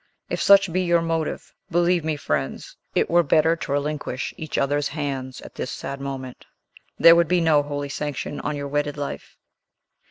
If such be your motive, believe me, friends, it were better to relinquish each other's hands at this sad moment. There would be no holy sanction on your wedded life."